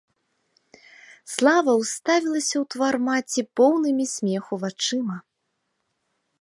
Слава ўставілася ў твар маці поўнымі смеху вачыма.